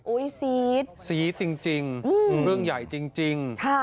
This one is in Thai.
ซี๊ดซีดจริงเรื่องใหญ่จริง